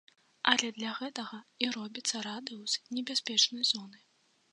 Але для гэтага і робіцца радыус небяспечнай зоны.